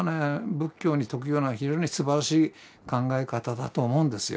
仏教に特有な非常にすばらしい考え方だと思うんですよ。